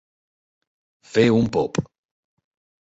Fer un pop.